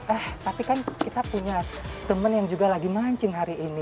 eh tapi kan kita punya temen yang juga lagi mancing hari ini